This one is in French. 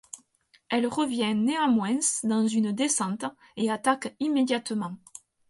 Elle revient néanmoins dans une descente et attaque immédiatement.